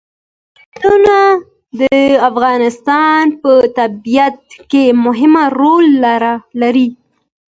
سیندونه د افغانستان په طبیعت کې مهم رول لري.